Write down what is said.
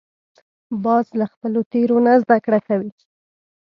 باز له خپلو تېرو نه زده کړه کوي